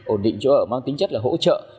ổn định chỗ ở mang tính chất là hỗ trợ